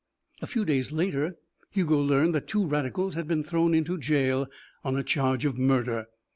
A few days later Hugo learned that two radicals had been thrown into jail on a charge of murder.